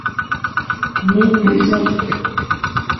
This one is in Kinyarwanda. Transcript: ni inzobe